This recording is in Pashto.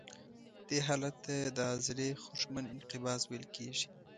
دې حالت ته د عضلې خوږمن انقباض ویل کېږي.